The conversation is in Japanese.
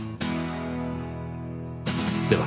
では。